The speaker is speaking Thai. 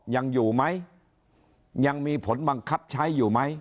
ยังอยู่ไหมยังมีผลบังคับใช้อยู่ไหม